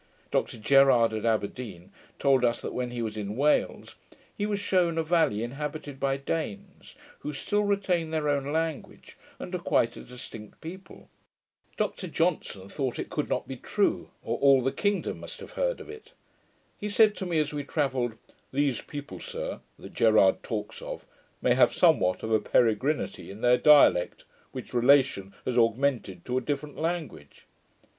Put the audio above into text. Dr Gerard, at Aberdeen, told us, that when he was in Wales, he was shewn a valley inhabited by Danes, who still retain their own language, and are quite a distinct people. Dr Johnson thought it could not be true, or all the kingdom must have heard of it. He said to me, as we travelled, 'these people, sir, that Gerard talks of, may have somewhat of a PEREGRINITY in their dialect, which relation has augmented to a different language'.